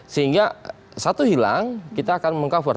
sehingga satu hilang kita akan meng cover